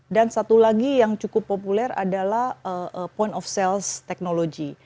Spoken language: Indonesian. dan satu lagi yang cukup populer adalah point of sales technology